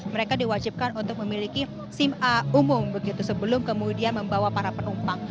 mereka diwajibkan untuk memiliki sim a umum begitu sebelum kemudian membawa para penumpang